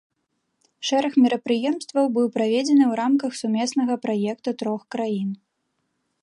Шэраг мерапрыемстваў быў праведзены ў рамках сумеснага праекта трох краін.